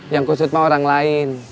yang khusus mah orang lain